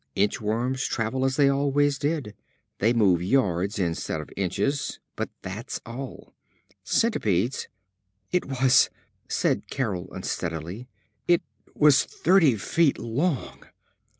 Inchworms travel as they always did. They move yards instead of inches, but that's all. Centipedes " "It was " said Carol unsteadily. "It was thirty feet long!"